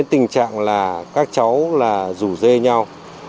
ghi phạm như thế này